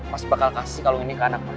mas bakal kasih kalung ini ke anak mas